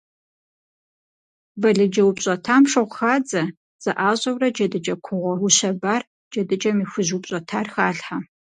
Балыджэ упщӏэтам шыгъу хадзэ, зэӏащӏэурэ джэдыкӏэ кугъуэ ущэбар, джэдыкӏэм и хужь упщӏэтар халъхьэ.